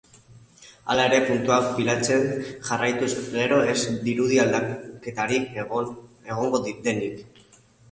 Hala ere, puntuak pilatzen jarraituz gero ez dirudi aldaketarik egongo denik.